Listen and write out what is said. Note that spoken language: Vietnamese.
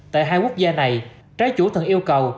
tại hai quốc gia này trái chủ thường yêu cầu